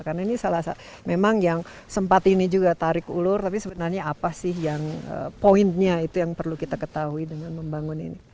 karena ini salah satu memang yang sempat ini juga tarik ulur tapi sebenarnya apa sih yang poinnya itu yang perlu kita ketahui dengan membangun ini